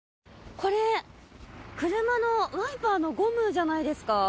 これ、車のワイパーのゴムじゃないですか。